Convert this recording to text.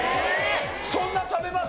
そんな食べます？